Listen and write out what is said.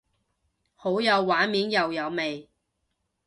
好有畫面又有味